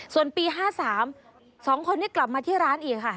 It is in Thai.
ส่วนปี๕๓๒คนนี้กลับมาที่ร้านอีกค่ะ